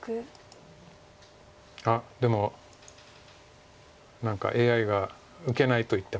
あっでも何かＡＩが受けないと言ってます。